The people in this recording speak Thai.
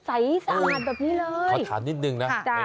ใสสะอาดแบบนี้เลย